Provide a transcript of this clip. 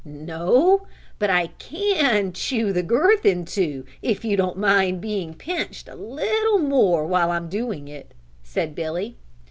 "No, but I can chew the girth in two if you don't mind being pinched a little more while I am doing it," said Billy.